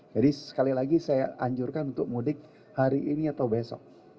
jadi sekali lagi saya anjurkan untuk mudik hari ini atau besok